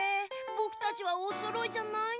ぼくたちはおそろいじゃないのだ。